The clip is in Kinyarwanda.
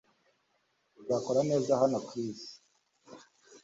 Urakaza neza hano Chris